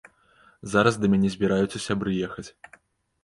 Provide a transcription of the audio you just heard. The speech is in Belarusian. Зараз да мяне збіраюцца сябры ехаць.